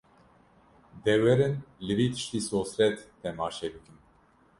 De werin li vî tiştî sosret temaşe bikin